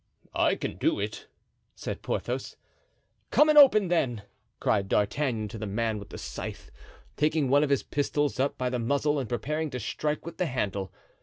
"I can do it," said Porthos. "Come and open, then!" cried D'Artagnan to the man with the scythe, taking one of the pistols up by the muzzle and preparing to strike with the handle.